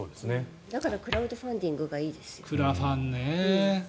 だからクラウドファンディングがクラファンね。